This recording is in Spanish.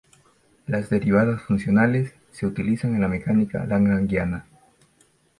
Las derivadas funcionales se utilizan en la mecánica lagrangiana.